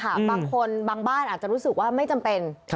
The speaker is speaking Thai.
บางคนบางบ้านอาจจะรู้สึกว่าไม่จำเป็น